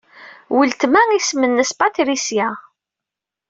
Weltma isem-nnes Patricia.